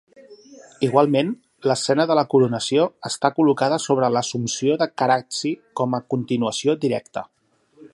Igualment, l'escena de la Coronació està col·locada sobre l'Assumpció de Carracci com a continuació directa.